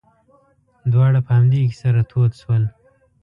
دواړه په همدې کې سره تود شول.